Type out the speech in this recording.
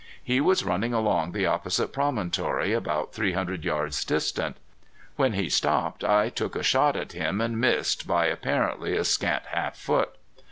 He was running along the opposite promontory about three hundred yards distant. When he stopped I took a shot at him and missed by apparently a scant half foot.